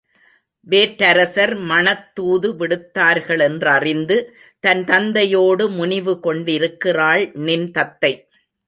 வேற்றரசர் மணத் தூது விடுத்தார்களென்றறிந்து தன் தந்தையோடு முனிவு கொண்டிருக்கிறாள் நின் தத்தை!